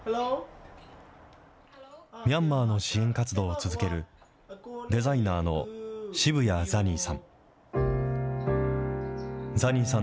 ミャンマーの支援活動を続ける、デザイナーの渋谷ザニーさん。